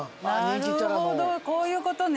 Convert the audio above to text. なるほどこういうことね